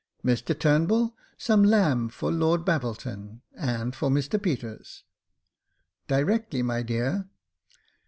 " Mr Turnbull, some lamb for Lord Babbleton, and for Mr Peters." " Directly, my dear.